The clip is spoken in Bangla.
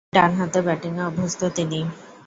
ডানহাতে ব্যাটিংয়ে অভ্যস্ত তিনি।